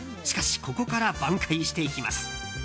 しかしここから挽回していきます。